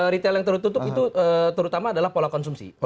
retail yang tertutup itu terutama adalah pola konsumsi